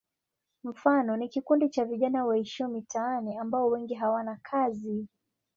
Mfano ni kikundi cha vijana waishio mitaani ambao wengi hawana kazi.